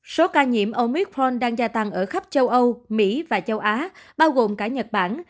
số ca nhiễm omithon đang gia tăng ở khắp châu âu mỹ và châu á bao gồm cả nhật bản